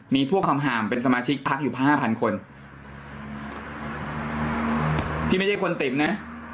มีพวกคำห่ามเป็นสมาชิกพักอยู่ห้าพันคนพี่ไม่ใช่คนติดนะ